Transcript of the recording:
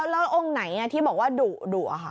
แล้วองค์ไหนที่บอกว่าดุค่ะ